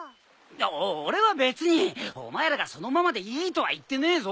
俺は別にお前らがそのままでいいとは言ってねえぞ。